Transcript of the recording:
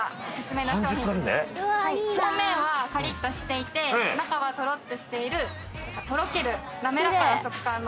表面はカリッとしていて中はトロッとしているとろける滑らかな食感の。